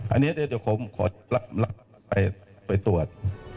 อันนี้เดี๋ยวผมขอรับไปตรวจ